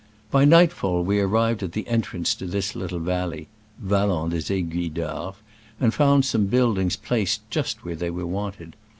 By nightfall we arrived at the entrance to this litde valley (Vallon des Aiguilles d'Arve), and found some buildings placed just where they were wanted.